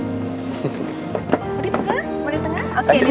boleh tengah boleh tengah